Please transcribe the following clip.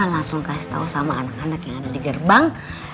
langsung kasih tahu sama anak anak yang ada di gerbang